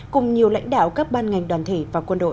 cùng nhiều lãnh đạo các ban ngành đoàn thể và quân đội